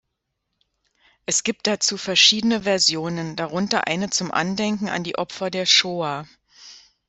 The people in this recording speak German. Es gibt dazu verschiedene Versionen, darunter eine zum Andenken an die Opfer der Shoa.